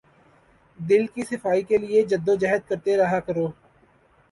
دل کی صفائی کے لیے جد و جہد کرتے رہا کرو۔